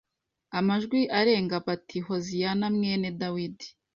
amajwi arenga bati Hoziyana mwene Dawidi